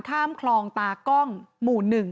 ข้ามคลองตากล้องหมู่๑